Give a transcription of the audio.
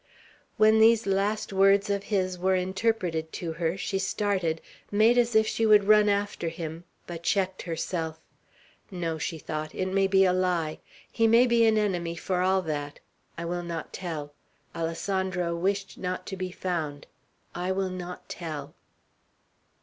When these last words of his were interpreted to her, she started, made as if she would run after him, but checked herself. "No," she thought. "It may be a lie. He may be an enemy, for all that. I will not tell. Alessandro wished not to be found. I will not tell."